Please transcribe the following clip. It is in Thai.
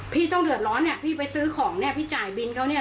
พี่ต้องเดือดร้อนเนี่ยพี่ไปซื้อของเนี่ยพี่จ่ายบินเขาเนี่ย